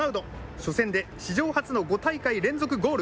初戦で史上初の５大会連続ゴール。